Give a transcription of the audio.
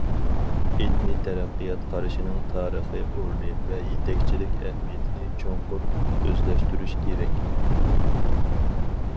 ئىلمىي تەرەققىيات قارىشىنىڭ تارىخىي ئورنى ۋە يېتەكچىلىك ئەھمىيىتىنى چوڭقۇر ئۆزلەشتۈرۈش كېرەك.